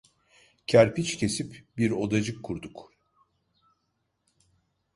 Kerpiç kesip bir odacık kurduk.